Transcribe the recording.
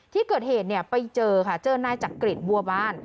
ที่เกิดเหตุเนี่ยไปเจอค่ะเจอหน้าจากกรีบวัวบาน